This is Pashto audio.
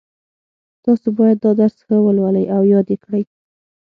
تاسو باید دا درس ښه ولولئ او یاد یې کړئ